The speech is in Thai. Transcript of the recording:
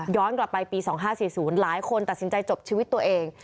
กลับไปปี๒๕๔๐หลายคนตัดสินใจจบชีวิตตัวเอง